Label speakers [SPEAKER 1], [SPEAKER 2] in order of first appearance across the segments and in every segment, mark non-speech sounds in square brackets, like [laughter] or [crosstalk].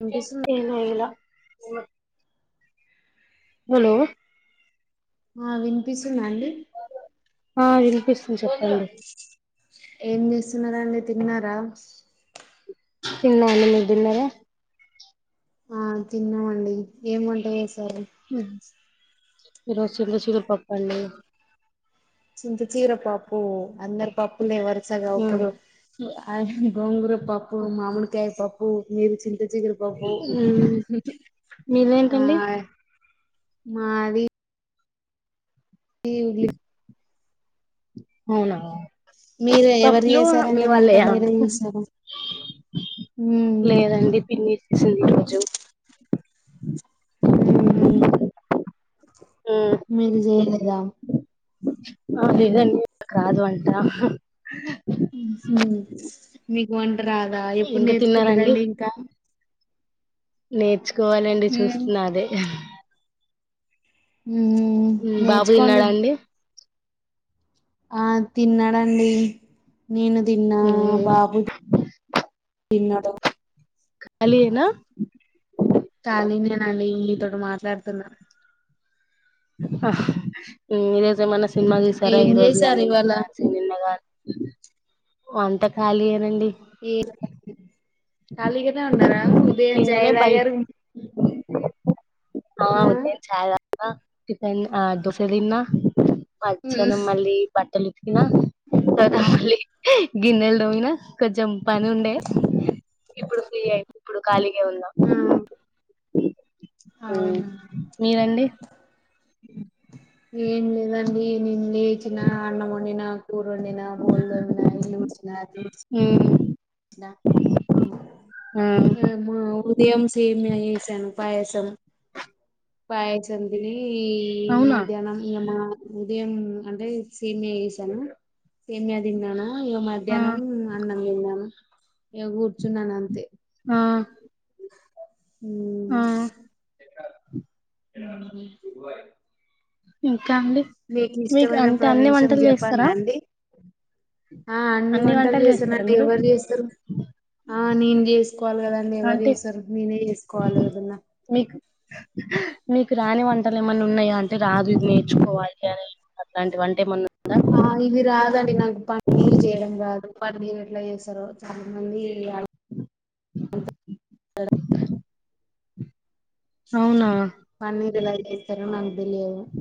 [SPEAKER 1] వినిపిస్తుంద
[SPEAKER 2] ఇనా ఇలా ఉ హలో
[SPEAKER 1] ఆ వి పిస్తుందా అండి
[SPEAKER 2] ఆ వినిపిస్తుంది చెప్పండి
[SPEAKER 1] ఏం చేస్తున్నారండి తిన్నారా
[SPEAKER 2] తిన్నా అండి మీరు తిన్నారా
[SPEAKER 1] ఆ తిన్నామండి ఎం వంట సర
[SPEAKER 2] ఈ రోజు చింత చిగురు పప్పండి
[SPEAKER 1] చింతచిగర పప్పు అందరి పప్పులు ఎవరు సగ ఒప్పుదు అ గోంగూర పప్పు మామిడికాయ పప్పు ఓ మీరు చింత చిగురు పప్పు ఆ
[SPEAKER 2] మీదేంటండి
[SPEAKER 1] మాది [unintelligible]
[SPEAKER 2] అవునా
[SPEAKER 1] మీరు ఎవరు
[SPEAKER 2] పప్పులు మీ
[SPEAKER 1] చేసారండి వంట
[SPEAKER 2] వాళ్ళయ
[SPEAKER 1] మీరే చేసారా ఉమ్
[SPEAKER 2] లేదండి పిన్ని చేసింది ఈరోజు
[SPEAKER 1] హ్మ్ హు మీరు చేయలేదా
[SPEAKER 2] అ ప్లీస్ అండి ఆమెకు రాదు అంటా
[SPEAKER 1] హ్మ్ హు మీకు వంట్ రాదా ఎప్పుడు
[SPEAKER 2] ఇంకా
[SPEAKER 1] నేర్చుకుంటరండి ఇంకా
[SPEAKER 2] నేర్చు కోవాలండి
[SPEAKER 1] ఉమ్
[SPEAKER 2] చూస్తున్న అదే
[SPEAKER 1] మ్మ్
[SPEAKER 2] ఉమ్ బాబు
[SPEAKER 1] నేర్చుకోండి
[SPEAKER 2] తిన్నాడాండి
[SPEAKER 1] ఆ తిన్నాడండి నేను తిన్నా బాబు తిన్నడు
[SPEAKER 2] పల్లి ఏనా
[SPEAKER 1] ఖాళీ నే నండి మీతోటి మాట్లాడుతున్నా
[SPEAKER 2] హ ఇన్ని డేస్ ఏమన్న సినిమా చూసారా
[SPEAKER 1] ఏం
[SPEAKER 2] ఈ రోజు
[SPEAKER 1] చేశారు
[SPEAKER 2] గాని
[SPEAKER 1] ఇవాళ
[SPEAKER 2] నిన్న గానీ ఓ అంతా ఖాళీయే నండి
[SPEAKER 1] ఏ ఖాళీగనే ఉన్నారా ఉదయం ఛాయ్
[SPEAKER 2] నిన్ననే బై
[SPEAKER 1] తాగారు
[SPEAKER 2] ఆ ఉదయం ఛాయ్ తా టిఫెన్ ఆ దోశ తిన్న మధ్యాహ్నం మళ్ళీ బట్టలు గిన్నెలు తోమిన కొంచం పనుండే ఇప్పుడు ఫ్రీ అయిన ఇప్పుడు ఖాళీ గే ఉన్నా
[SPEAKER 1] ఆ
[SPEAKER 2] హూ
[SPEAKER 1] అవునా
[SPEAKER 2] మీరండి
[SPEAKER 1] ఏం లేదండి నిన్ లేచిన అన్నం వండినా కూర వండినా బోల్దోమినా ఇల్లూడ్చిన తుడుచు
[SPEAKER 2] మ్మ్ ఆ
[SPEAKER 1] హామ్ ఉదయం సేమ్య చేసాను పాయసం పాయసం తిని ఈ
[SPEAKER 2] అవునా
[SPEAKER 1] మధ్యాహ్నం ఇగమా ఉదయం అంటే సేమ్య చేశాను సేమ్య తిన్నాను ఆ ఇగ
[SPEAKER 2] ఆ
[SPEAKER 1] మధ్యాహ్నం అన్నం తిన్నాను ఏ కూర్చున్నాను అంతే
[SPEAKER 2] ఆ ఆ
[SPEAKER 1] హుమ్ ఎ
[SPEAKER 2] హమ్ ్యామిలీ మీకు అంటే అన్ని
[SPEAKER 1] ప్రదేశం
[SPEAKER 2] వంటలు
[SPEAKER 1] జపానా
[SPEAKER 2] చేస్తారా
[SPEAKER 1] అండి ఆ అన్ని వంటలు చేస్తాను నాకు ఎవరు చేస్తారు ఆ నేను చేసి చూసుకోవాలి కదా అంీ ఎవరు
[SPEAKER 2] అంటే
[SPEAKER 1] చేసారు నేనే చేసుకోవాలి ఏదన్నా
[SPEAKER 2] మీకు మీకు రాని వంటలు ఏమన్నా ఉన్నాయా అంటే రాదు ఇది నేర్చుకోవాలి అ అట్లాంటి వంట ఏమన్నా ఉందా
[SPEAKER 1] ఆ ఇవి రాదాని నాగ ప పన్నీర్ చేయడం కాదు పన్నీర్ ఎట్లా చేస్తారో చాలా మంది [inaudible]
[SPEAKER 2] అవునా
[SPEAKER 1] పన్నీర్ ఎలా చేస్తారో నాక్ [unintelligible]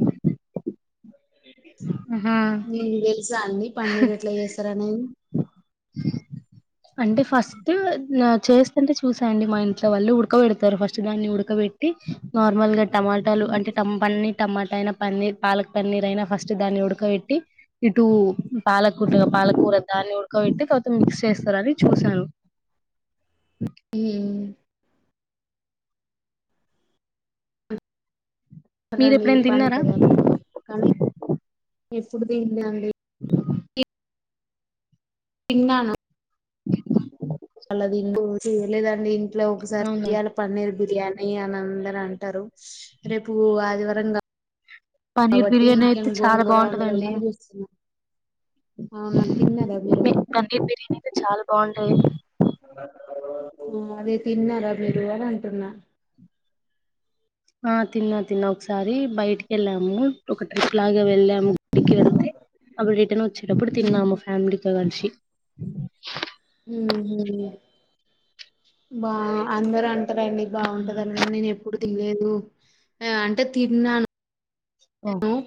[SPEAKER 2] ఆహా
[SPEAKER 1] మీకు తెలుసా అండి పన్నెరు ఎట్లా చేస్తారా అని
[SPEAKER 2] అంటే ఫస్ట్ చేస్తంటే చూసాండి మా ఇంట్లో వాళ్ళు ఉడకబడతారు ఫస్ట్ దాన్ని ఉడకబెట్టి నార్మల్గా టమాటాలు అంటే టంప్ అని టమాటా అయినా పన్నీర్ పాలక్ పన్నీర్ అయినా ఫస్ట్ దాన్ని ఉడకబెట్టి ఇటు టామ్ పాలకుూటగా పాలకూర దాన్ని ఉడకబెట్టి కావాత మిక్స్ చేస్తారని చూసాను
[SPEAKER 1] ఉమ్,
[SPEAKER 2] మీరు
[SPEAKER 1] అరళి
[SPEAKER 2] ఎప్పుడైనా తిన్నారా
[SPEAKER 1] పానీతదన్ కనీ ఎప్పుడు తినలే అండి [unintelligible] అలా తిను చేయలేదండి ఇంకా
[SPEAKER 2] అవునా
[SPEAKER 1] ఒకసారియాాల పన్నీర్ బిర్యానీ అని అందరూ అంటారు రేపు ఆదివారం
[SPEAKER 2] పన్నీర్
[SPEAKER 1] కాబట్టి
[SPEAKER 2] బిర్యానీ అయితే
[SPEAKER 1] చికెన్ గోంగోర వుండుదాం అని చూస్తున్నాం మీరు
[SPEAKER 2] మీర్ పన్నీర్ బిర్యానీ అయితే చాలా బాగుంటాది
[SPEAKER 1] ఓ అదే తిన్నారా మీరు అని అంటున్న
[SPEAKER 2] ఆ తిన్నా తిన్నా ఒకసారి బయటికి వెళ్ళాము ఒక ట్రిప్ లాగా వెళ్ళాము అక్కడికి వెళ్తే అప్పుడు రీటన్ వచ్చిటప్పుడు
[SPEAKER 1] ఉమ్.
[SPEAKER 2] తిన్నాము ఫ్యామిలీతో కలిసి
[SPEAKER 1] ఉహు బా అందర అంట అండి
[SPEAKER 2] ఉమ్
[SPEAKER 1] బాగుంటుదని నేను ఎప్పుడు లేదు అంటే తిన్నాను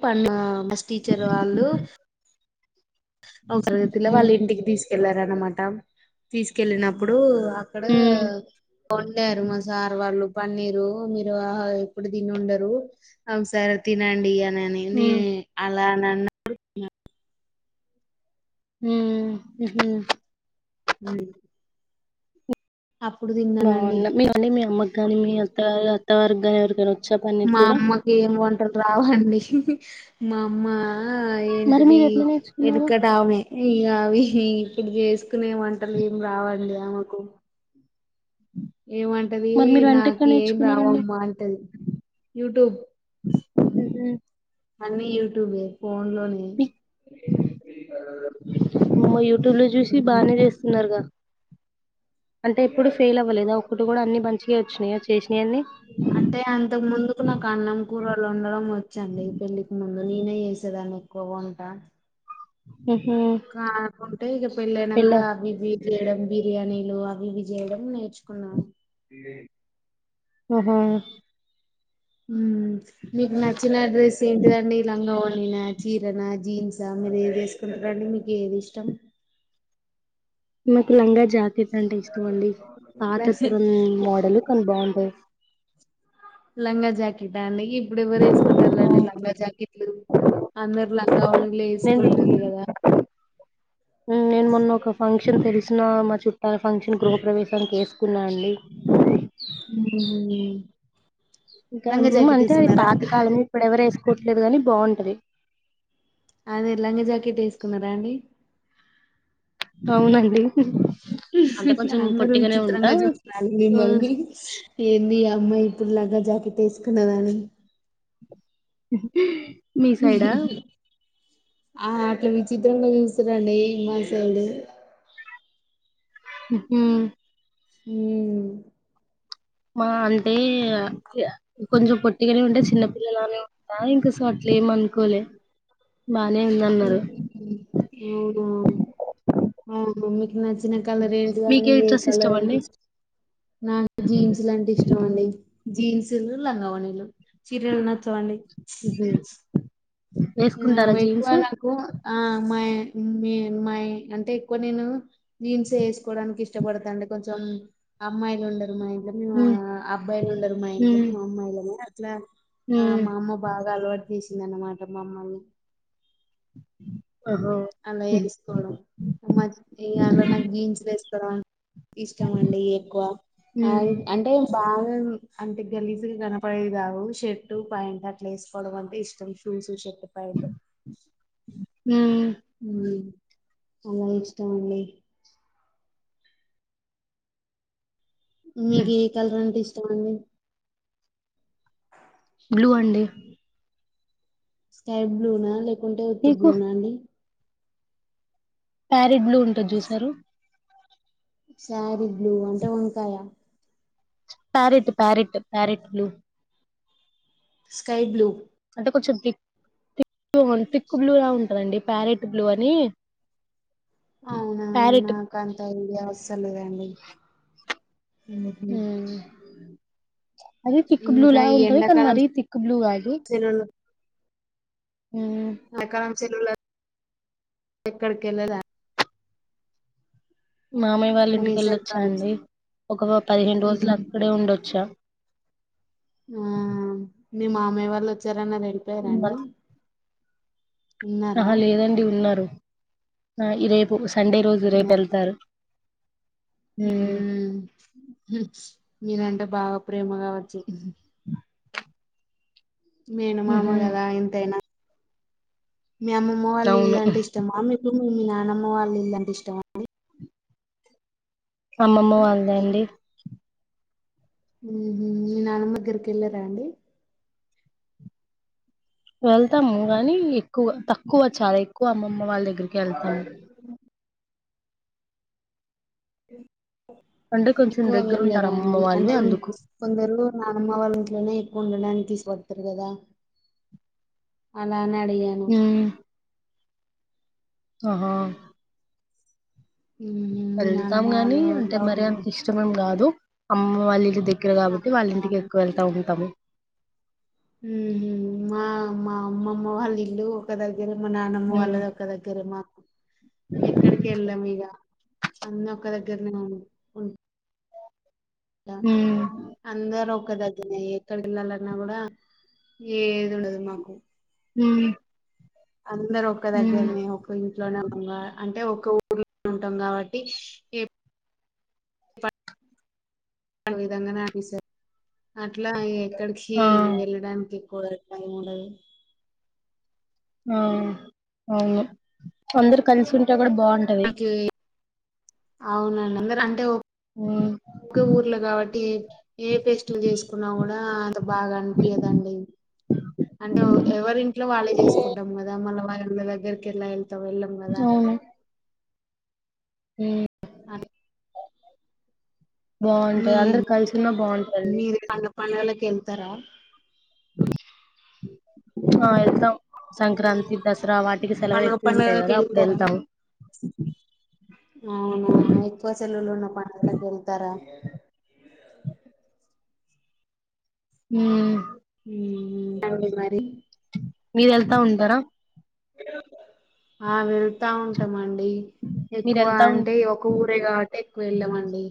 [SPEAKER 1] మొన్న పస్ టీచర్ వాళ్ళు అవసరతిలో వాళ్ళ
[SPEAKER 2] ఉమ్
[SPEAKER 1] ఇంటికి తీసుకు ఆదిన్నమాట తీసుకెళ్ళినప్పుడు అక్కడ
[SPEAKER 2] ఉమ్
[SPEAKER 1] పండారు మా సార్ వాళ్ళు పన్నీరు మీరు ఎప్పుడు తినిండరు సరే తినండి అ అలా అ నన్నపూడు
[SPEAKER 2] హమ్ ఉహు
[SPEAKER 1] అ
[SPEAKER 2] న్న మీ కానీ మీ అమ్మ కాని అత్త వారికి కానీ ఎవరికి అయినా
[SPEAKER 1] మా అమ్మకి ఏం వంట అక్కడ రావండి మా అమ్మ ఆ
[SPEAKER 2] మరి
[SPEAKER 1] ఏంటిది
[SPEAKER 2] మీరు ఎట్లా నేర్చుకున్నారు
[SPEAKER 1] ఎడకడా ఆమె ఇ అవి ఇక్కడ చేసుకునే వంటలు ఏం రావండి ఆమెకు ఏమంటది
[SPEAKER 2] మరి మీరు వంట
[SPEAKER 1] నాకు
[SPEAKER 2] ఎక్కడ
[SPEAKER 1] ఏం
[SPEAKER 2] నేర్చుకున్నారండి
[SPEAKER 1] రావమ్మా అంటది యూట్యూబ్
[SPEAKER 2] ఉహు
[SPEAKER 1] అన్ని యూట్యూబ్ ఏ ఫన్ లోని
[SPEAKER 2] మీకు యూట్యూబ్ లో చూసి
[SPEAKER 1] ఉమ్
[SPEAKER 2] బాగానే చేస్తున్నారుగా అంటే ఎప్పుడు ఫెయిల్ అవ్వలేదా ఒకటి కూడా అన్ని మంచి వచ్చినాయ చేసినావి అన్నీ
[SPEAKER 1] అంటే అంతకు ముందుకు నాకు అన్నం కూరలు ఉండడం వచ్చండి పెళ్ళికి ముందు నేనే చేసేదాన్ని ఎక్కువగా వంట కానుకుంటే ఇక పెళ్ళనాక
[SPEAKER 2] పెళ్ళ
[SPEAKER 1] అవి ఇది చేయడం బిర్యానీలు అవి ఇవి చేయడం నేర్చుకున్నాను
[SPEAKER 2] ఆ
[SPEAKER 1] మీకు నచ్చిన డ్రెస్ ఏంటిదండి ఈ లంగా ఓ పనీనా చీరన జీన్సా మీర ఏది వేసుకుంటారండి మీకు ఏది ఇష్టం
[SPEAKER 2] లంగా జాక్ కేట్ అంటే ఇష్టం అండి పాత
[SPEAKER 1] ఇష్టం
[SPEAKER 2] తరం మోడల్ కొనీ బాగుంటాది
[SPEAKER 1] లంగా జాకిట్ ఆ అండి ఇప్పుడు ఎవ్వరు వేసుకుంటారుండి లంంగా జాకెట్లు అందరు లా గౌన్లే వేసుకుంటుురు కదా
[SPEAKER 2] హు నేను మొన్న ఒక ఫంక్షన్ తెలిసిన మా చుట్ట చుట్టాల ఫంక్షన్ గృహప్రవేశంకి వేసుకున్నాను లే
[SPEAKER 1] ఉమ్.
[SPEAKER 2] ఈ
[SPEAKER 1] లంగా
[SPEAKER 2] కాలం
[SPEAKER 1] జాకెట్
[SPEAKER 2] అంతే
[SPEAKER 1] వేసుకున్నారా
[SPEAKER 2] పాత కాలం ఇప్పుడేవరు వేస్ కొవట్లేదు కాని బాగుంటది
[SPEAKER 1] అదే లంగా జాకెట్ వేసుకున్నారా అండి
[SPEAKER 2] అవునండి అంటే కొంచెం
[SPEAKER 1] అందరూ
[SPEAKER 2] పొట్టిగానే ఉంటా
[SPEAKER 1] విచిత్రంగా చూసినారు
[SPEAKER 2] సో
[SPEAKER 1] మిమ్మల్ని ఏంది అమ్మాయి ఇప్పుడు లంగా జాకెట్ వేసుకున్నావని
[SPEAKER 2] మీ
[SPEAKER 1] హు
[SPEAKER 2] సైడా
[SPEAKER 1] హు ఆ అట్లా విచిత్రంగా చూస్తారండి ఈ మనుషులు
[SPEAKER 2] హు హూ
[SPEAKER 1] ఊ
[SPEAKER 2] మా అంటే కొంచెం పొట్టిగానే ఉంటే చిన్నపిల్లలానే ఉంటా ఇంకా సో అట్ల ఏమనుకోలే బానే ఉందన్నారు
[SPEAKER 1] ఊ ఊ మమ్మీకి నచ్చిన కలర్ ఏంటి
[SPEAKER 2] మీకే
[SPEAKER 1] కానీఏ
[SPEAKER 2] డ్రెస్ ఇష్టం
[SPEAKER 1] కలర్
[SPEAKER 2] అండి
[SPEAKER 1] అంటే నాకు జీన్స్ లంటే ఇష్టం అండి జీన్స్లు లంగా ఓణీలు చీరలు నచ్చవండి
[SPEAKER 2] మ్మ్. వేసుకుంటారా
[SPEAKER 1] ఆవే ఎక్కువ
[SPEAKER 2] జీన్స్
[SPEAKER 1] నాకు ఆ మా మీ మాయ్ అంటే ఎక్కువ నేను జీన్స్ వేసుకోవడానికి ఇష్టం ఇష్టపడతండి కొంచెం అమ్మాయిలు ఉండరు మా ఇన్ ఇంట్లో మేము
[SPEAKER 2] మ్మ్.
[SPEAKER 1] అబ్బాయిలు ఉండరు మా ఇంట్లో
[SPEAKER 2] మ్మ్.
[SPEAKER 1] మేము అమ్మాయిలనే అట్లా ఆ
[SPEAKER 2] మ్మ్.
[SPEAKER 1] మా అమ్మ బాగా అలవాటు చేసింది అన్నమాట మమ్మల్ని
[SPEAKER 2] ఓహో
[SPEAKER 1] అలా
[SPEAKER 2] మ్మ్.
[SPEAKER 1] వేసుకోవడం మమ్మ ఇయాలా నా జీన్స్ వేసుకో జీన్స్ ఇష్టమండి అయ్ ఎక్కువ ఆ
[SPEAKER 2] మ్మ్.
[SPEAKER 1] అంటే బాగా అంటే గలీజ్గా కనపడేవి కావు షర్ట్ ప్యాంట్ అట్లా వేసుకోవడం అంటే ఇష్టం షూస్ షర్ట్స్ షర్ట్ ప్యాంట్
[SPEAKER 2] మ్మ్.
[SPEAKER 1] హు అలా ఇష్టం అండి
[SPEAKER 2] మ్మ్.
[SPEAKER 1] మీగే కలరంటే ఇష్ట చెప్పండి
[SPEAKER 2] బ్లూ అండి
[SPEAKER 1] స్కై బ్లూ నా లేక కుంటే ఎత్తు
[SPEAKER 2] మీకు
[SPEAKER 1] బ్లూ నా అండి
[SPEAKER 2] ప్యారెట్ బ్లూ ఉంటది చూసారు
[SPEAKER 1] శారీ బ్లూ అంటే వంకాయ
[SPEAKER 2] parrot parrot parrot blue
[SPEAKER 1] sky blue
[SPEAKER 2] అంటే కొంచెం తిక్క్ బ్ తిక్ బ్లూ లా ఉంటదండి ప్యారెట్ బ్లూ అని
[SPEAKER 1] అవునా
[SPEAKER 2] ప్యారెట్
[SPEAKER 1] నా కంత అయిడియ అస తెలీదండి ఊహూ
[SPEAKER 2] అది థిక్ బ్లూ లా ఉంటది కానీ
[SPEAKER 1] ఎండాకాలం
[SPEAKER 2] మరీ థిక్ బ్లూ కాదు
[SPEAKER 1] సెలవులు
[SPEAKER 2] ఊ
[SPEAKER 1] చెల్లెలా ఎక్కడికెల్లలా
[SPEAKER 2] మామయ్య వాళ్ళ ఇంటికి
[SPEAKER 1] వేసవి
[SPEAKER 2] వెళ్ళొచ్చా
[SPEAKER 1] కాలం
[SPEAKER 2] అండి ఒక పదిహేను రోజులు
[SPEAKER 1] సెలవులు
[SPEAKER 2] అక్కడే ఉండొచ్చా
[SPEAKER 1] ఆ మీ మామయ్య వాళ్ళు వచ్చారు రాంగానే వెళ్ళిపోయారండి ఉన్నారా
[SPEAKER 2] ఆహా లేదండి ఉన్నారు ఆ ఈ రేపు సండే రోజు రేపు వెళ్తారు ఉమ్
[SPEAKER 1] ఊహూ మీరంటే బాగా ప్రేమగా వచ్చి మేన
[SPEAKER 2] ఉహు
[SPEAKER 1] మామగదా ఎంతైనా మీ అమ్మమ్మ వాళ్ళ
[SPEAKER 2] అవును
[SPEAKER 1] ఇల్లంటే ఇష్టమా మా మీకు మీకు మీ నానమ్మ వాళ్ళ ఇల్లంటే ఇష్టమా అండి
[SPEAKER 2] అమ్మమ్మ వాళ్ళదా అండి
[SPEAKER 1] మీ నానమ్మ దగ్గరికి వెళ్ళరా అండి
[SPEAKER 2] వెళ్తాము గాని ఎక్కువ తక్కువ చాలా ఎక్కువ అమ్మమ్మ వాళ్ళ ఇ దగ్గరికి వెళ్తాము అంటే కొంచెం
[SPEAKER 1] ఎక్కువ
[SPEAKER 2] దగ్గర ఉంటారు
[SPEAKER 1] వెళ్ళరా
[SPEAKER 2] అమ్మమ్మ
[SPEAKER 1] అండి
[SPEAKER 2] వాళ్ళు
[SPEAKER 1] అంటే
[SPEAKER 2] అందుకు
[SPEAKER 1] కొందరు నానమ్మ వాళ్ళ ఇంట్లోనే ఎ ఉండడానికి తీసుపోతారు కదా అలా ని అడిగాను
[SPEAKER 2] హ్మ్. ఆహా
[SPEAKER 1] ఉహు మీ
[SPEAKER 2] వెళ్తాం
[SPEAKER 1] నానమ్మ వాళ్ళ
[SPEAKER 2] గాని అంటే
[SPEAKER 1] ఊర్లో
[SPEAKER 2] మరి అంత
[SPEAKER 1] ఉండ-
[SPEAKER 2] ఇష్టమేం కాదు అమ్మమ్మ వాళ్ళ ఇళ్లుద దగ్గర
[SPEAKER 1] ఆ,
[SPEAKER 2] కాట్టి వాళ్ళ ఇంటికి ఎక్కువ వెళ్తా ఉంటాము
[SPEAKER 1] ఊ హూ మా మా అమ్మమ్మ వాళ్ళ ఇల్లు ఒక దగ్ దగ్గర మా నానమ్మ
[SPEAKER 2] ఉమ్
[SPEAKER 1] వాళ్ళది ఒక దగ్గర మా ఎక్కడికి వెళ్ళము ఇక అన్ని ఒక దగ్గర గర్రే గా [unintelligible] ఉంటా
[SPEAKER 2] ఉమ్
[SPEAKER 1] అందరొ ఒక దగ్గిరనే ఎక్కడికి వెళ్ళాలన్నా కూడా ఏదీ ఉండదు మాకు
[SPEAKER 2] ఊ
[SPEAKER 1] అందరు ఒక్క దగ్గరనే ఒక ఇంట్లోనే ఉంగ అంటే ఒక ఉంటుంటాం కాబట్టి ఎప్ ఆ విధంగానే [unintelligible] ఇట్లా ఎక్కడికి
[SPEAKER 2] ఆ
[SPEAKER 1] వెళ్ళడానికి పోరలకు టైమ్ ఉండదు
[SPEAKER 2] ఆ అవును అందరు కలిసుంటే కూడ బావుంటది
[SPEAKER 1] నాకు. అవునండి అందరు అంటే
[SPEAKER 2] ఉమ్
[SPEAKER 1] ఒక ఊర్లో కాబట్టి ఏ ఫెస్టివెల్ చేసుకున్నా కూడా అంత బాగా అన్పియ్యదండి అంటే ఎవరి ఇంట్లో వాళ్ళే చేసుకుంటాం కదా మళ్ళ వాళ్ళమ్మదగ్గరికి ఎలా ఇంక వెళ్ళంగదా అని
[SPEAKER 2] ఊ
[SPEAKER 1] ఆడప్ మీ
[SPEAKER 2] బావుంటది అందరు కలిసున్న బావుంటది
[SPEAKER 1] పండగలకి ఎళ్తారా
[SPEAKER 2] ఆ ఎల్తామ్
[SPEAKER 1] పండుగ
[SPEAKER 2] ఉంటాయి
[SPEAKER 1] పండుగకి
[SPEAKER 2] కదా అప్పుడు
[SPEAKER 1] వెళ్తారా
[SPEAKER 2] వెళ్తాం
[SPEAKER 1] అవునా ఎక్కువ సెలవులు ఉన్న పండుగకి ఎళ్తారా
[SPEAKER 2] ఊ
[SPEAKER 1] అండి మరి
[SPEAKER 2] మీరు వెళ్తా ఉంటారా
[SPEAKER 1] ఆ మేం వెళ్తా ఉంటమండి
[SPEAKER 2] మీరు
[SPEAKER 1] ఎక్కువ
[SPEAKER 2] వెళ్తా ఉం
[SPEAKER 1] అంటే ఒక ఊరే కాబట్టి ఎక్కువ వెళ్ళమండి